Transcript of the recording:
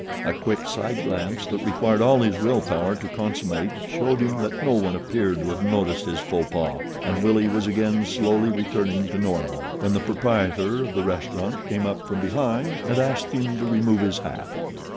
A quick side glance that required all his will power to consummate showed him that no one appeared to have noticed his faux pas and Willie was again slowly returning to normal when the proprietor of the restaurant came up from behind and asked him to remove his hat.